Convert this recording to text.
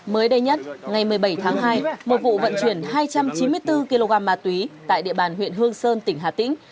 mới đây nhất ngày một mươi bảy tháng hai một vụ vận chuyển hai trăm chín mươi bốn kg ma túy tại địa bàn huyện hương sơn tỉnh hà tĩnh